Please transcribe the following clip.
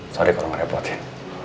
sorry kalau ngerepotin